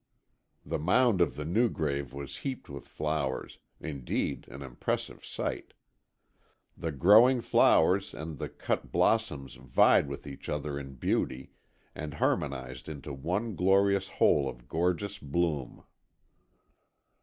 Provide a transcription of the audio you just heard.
The mound of the new grave was heaped with flowers, indeed an impressive sight. The growing flowers and the cut blossoms vied with each other in beauty, and harmonized into one glorious whole of gorgeous bloom.